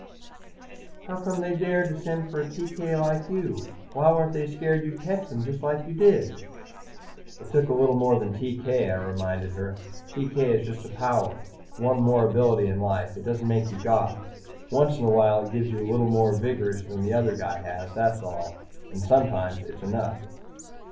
"How come they dared send for a TK like you? Why weren't they scared you'd catch them, just like you did?" "It took a little more than TK," I reminded her. "TK is just a power, one more ability in life. It doesn't make you God. Once in a while it gives you a little more vigorish than the other guy has, that's all. And sometimes it's not enough."